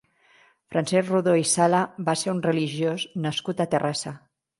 Francesc Rodó i Sala va ser un religiós nascut a Terrassa.